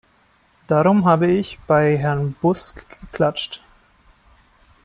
Darum habe ich bei Herrn Busk geklatscht.